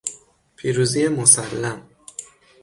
پیروزی مسلم